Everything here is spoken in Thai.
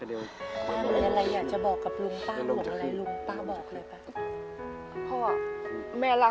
ป่าวมีอะไรอยากจะบอกกับลุงต้องให้ลุงป่าวบอกเลยเปล่า